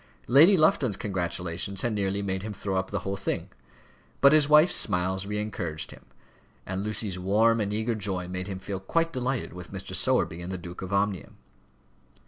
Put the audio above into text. Lady Lufton's congratulations had nearly made him throw up the whole thing; but his wife's smiles re encouraged him; and Lucy's warm and eager joy made him feel quite delighted with Mr. Sowerby and the Duke of Omnium.